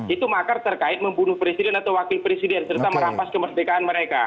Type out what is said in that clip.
itu makar terkait membunuh presiden atau wakil presiden serta merampas kemerdekaan mereka